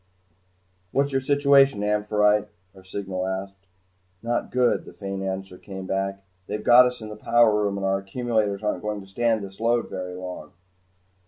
"What's your situation, 'Amphitrite'?" our signal asked. "Not good," the faint answer came back. "They've got us in the power room and our accumulators aren't going to stand this load very long.